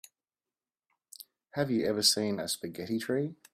Have you ever seen a spaghetti tree?